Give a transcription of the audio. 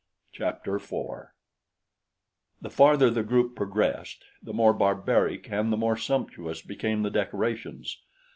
Chapter 4 The farther the group progressed, the more barbaric and the more sumptuous became the decorations.